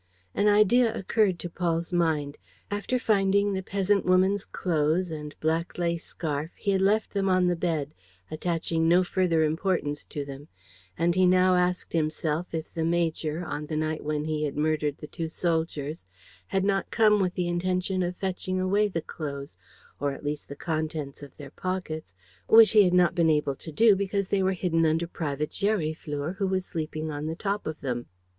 An idea occurred to Paul's mind. After finding the peasant woman's clothes and black lace scarf, he had left them on the bed, attaching no further importance to them; and he now asked himself if the major, on the night when he had murdered the two soldiers, had not come with the intention of fetching away the clothes, or at least the contents of their pockets, which he had not been able to do because they were hidden under Private Gériflour, who was sleeping on the top of them.